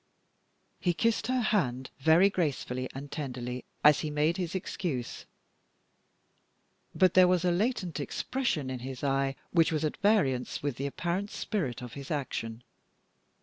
He kissed her hand very gracefully and tenderly as he made his excuse; but there was a latent expression in his eye which was at variance with the apparent spirit of his action.